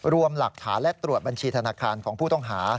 รวมหลักฐานและตรวจบัญชีธนาคารของผู้ต้องหา